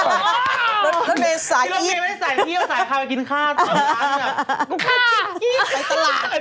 ร่อนอยู่มาตั้งนาน